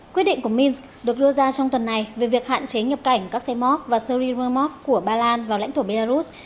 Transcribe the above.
quyết định của minsk được đưa ra trong tuần này về việc hạn chế nhập cảnh các xe mốc và sơ ri rơ mốc của ba lan vào lãnh thổ beirut